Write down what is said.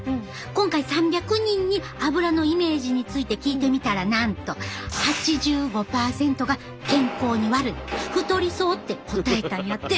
今回３００人にアブラのイメージについて聞いてみたらなんと８５％が健康に悪い太りそうって答えたんやって。